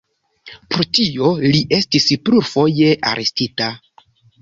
Pro tio li estis plurfoje arestita.